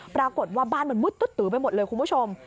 ปรากฏว่าบ้านมันมืดตื้อไปหมดเลยคุณผู้ชม